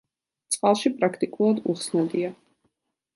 წყალში პრაქტიკულად უხსნადია.